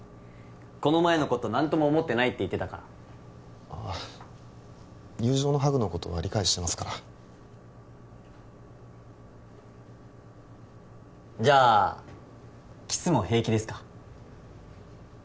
この前のこと何とも思ってないって言ってたからああ友情のハグのことは理解してますからじゃあキスも平気ですか？